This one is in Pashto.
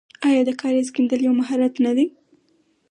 آیا د کاریز کیندل یو مهارت نه دی؟